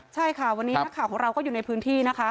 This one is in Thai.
ใช่ค่ะวันนี้นักข่าวของเราก็อยู่ในพื้นที่นะคะ